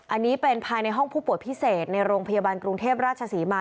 อันนี้เป็นภายในห้องผู้ป่วยพิเศษในโรงพยาบาลกรุงเทพราชศรีมา